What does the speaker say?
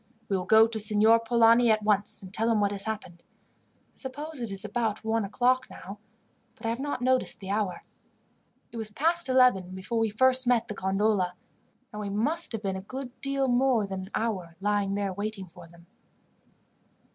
"We will go to Signor Polani at once and tell him what has happened. I suppose it is about one o'clock now, but I have not noticed the hour. It was past eleven before we first met the gondola, and we must have been a good deal more than an hour lying there waiting for them."